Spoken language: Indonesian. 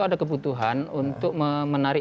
ada kebutuhan untuk menarik